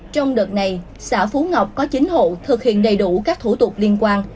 trong đợt này xã phú ngọc có chín hộ thực hiện đầy đủ các thủ tục liên quan